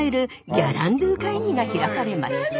「ギャランドゥ」会議が開かれました。